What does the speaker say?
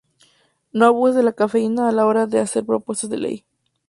no abuses de la cafeína a la hora de hacer propuestas de ley